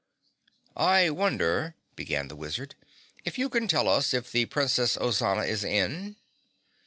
"I wonder," began the Wizard, "if you can tell us if the Princess Ozana is in?"